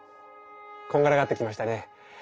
こんがらがってきましたね？